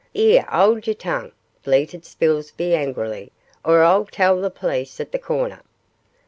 ''Ere, 'old your tongue,' bleated Spilsby, angrily, 'or I'll tell the perlice at the corner.